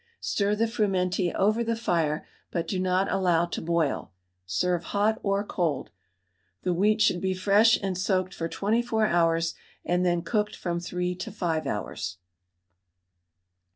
Stir the frumenty over the fire, but do not allow to boil. Serve hot or cold. The wheat should be fresh and soaked for 24 hours, and then cooked from 3 to 5 hours.